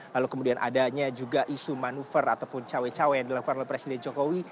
lalu kemudian adanya juga isu manuver ataupun cawe cawe yang dilakukan oleh presiden jokowi